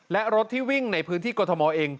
และรถที่วิ่งในพื้นที่กรทมเอง